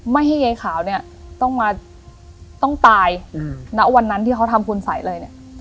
ให้ยายขาวเนี่ยต้องมาต้องตายณวันนั้นที่เขาทำคุณสัยเลยเนี่ย